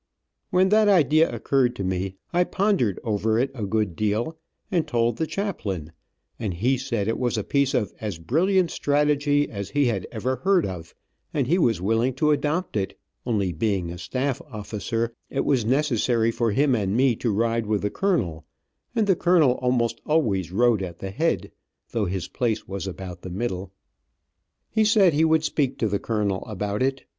When that idea occurred to me I pondered over it a good deal and told the chaplain, and he said it was a piece of as brilliant strategy as he had ever heard of, and he was willing to adopt it, only being a staff officer it was necessary for him and me to ride with the colonel, and the colonel most always rode at the head, though his place was about the middle. He said he would speak to the colonel about it.